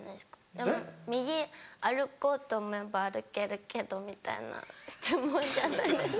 でも「右歩こうと思えば歩けるけど」みたいな質問じゃないですか。